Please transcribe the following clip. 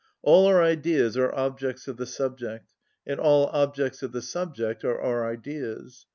All our ideas are objects of the subject, and all objects of the subject are our ideas.